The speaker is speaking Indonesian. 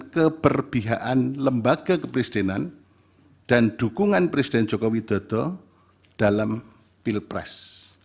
keberbihaan lembaga kepresidenan dan dukungan presiden jokowi dodo dalam pilpres